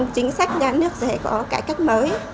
chính sách nhà nước sẽ có cải cách mới